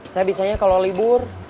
saya bisanya kalau libur